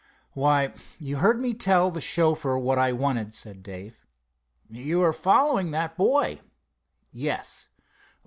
"Why, you heard me tell the chauffeur what I wanted," said Dave. "You are following that boy." "Yes."